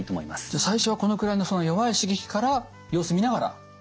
じゃあ最初はこのくらいの弱い刺激から様子見ながら。